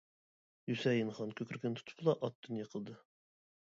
ھۈسەيىن خان كۆكرىكىنى تۇتۇپلا ئاتتىن يىقىلدى.